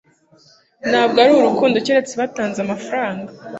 Ntabwo ari urukundo keretse batanze; amafaranga